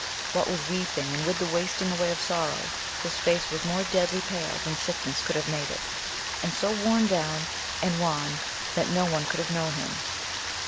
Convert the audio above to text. What with weeping, and with the wasting away of sorrow, his face was more deadly pale than sickness could have made it, and so worn down and wan that no one could have known him.